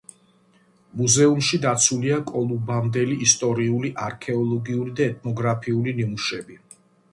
მუზეუმში დაცულია კოლუმბამდელი ისტორიული, არქეოლოგიური და ეთნოგრაფიული ნიმუშები.